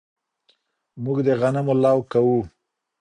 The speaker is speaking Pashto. موږ د غنمو لو کوو